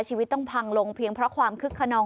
ชีวิตต้องพังลงเพียงเพราะความคึกขนอง